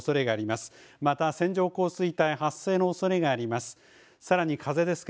また、線状降水帯発生のおそれがあります。